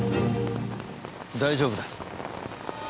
大丈夫だ。